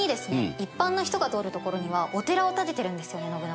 一般の人が通る所にはお寺を建ててるんですよね信長。